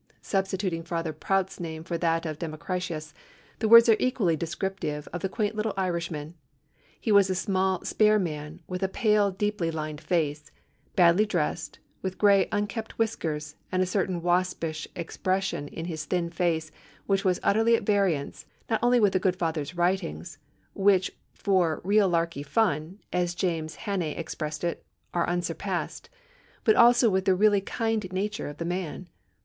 Substituting Father Prout's name for that of Democritus, the words are equally descriptive of the quaint little Irishman. He was a small spare man, with a pale deeply lined face; badly dressed; with gray unkempt whiskers, and a certain waspish expression on his thin face which was utterly at variance, not only with the good Father's writings, which for 'real larky fun,' as James Hannay expressed it, are unsurpassed, but also with the really kind nature of the man.